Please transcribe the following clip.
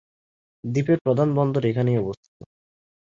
দ্বীপের প্রধান বন্দর এখানেই অবস্থিত।